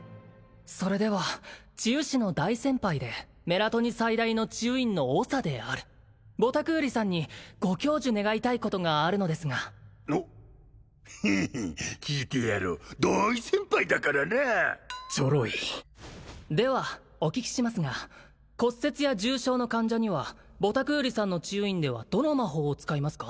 それでは治癒士の大先輩でメラトニ最大の治癒院の長であるボタクーリさんにご教授願いたいことがあるのですがおっフン聞いてやろう大先輩だからなチョロいではお聞きしますが骨折や重傷の患者にはボタクーリさんの治癒院ではどの魔法を使いますか？